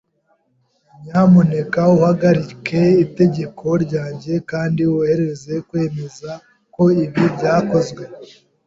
Nyamuneka uhagarike itegeko ryanjye kandi wohereze kwemeza ko ibi byakozwe.